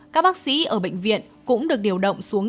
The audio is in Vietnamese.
các bác sĩ ở bệnh viện cũng được điều động xuống